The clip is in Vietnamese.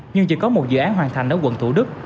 nhưng chỉ có một dự án hoàn thành ở quận thủ đức